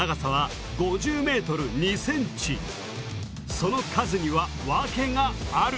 その数字にはワケがある。